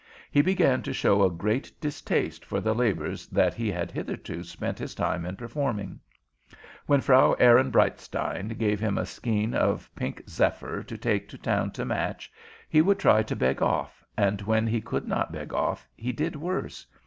He began to show a great distaste for the labors that he had hitherto spent his time in performing. When Frau Ehrenbreitstein gave him a skein of pink zephyr to take to town to match, he would try to beg off, and when he could not beg off he did worse.